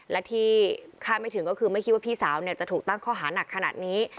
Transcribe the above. และที่คาดไม่ถึงก็คือไม่คิดว่าพี่สาวจะถูกตั้งข้อหานักขนาดนี้